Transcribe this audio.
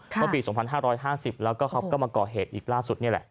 เมื่อปี๒๕๕๐แล้วก็เขาก็มาก่อเหตุอีกล่าสุดนี่แหละ